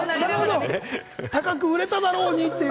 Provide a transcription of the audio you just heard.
高く売れたんだろうにって。